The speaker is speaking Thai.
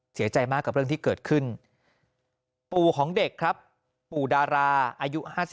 เสียใจมากกับเรื่องที่เกิดขึ้นปู่ของเด็กครับปู่ดาราอายุ๕๓